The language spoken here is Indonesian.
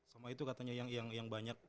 semua itu katanya yang banyak